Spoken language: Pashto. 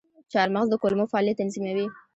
چارمغز د کولمو فعالیت تنظیموي.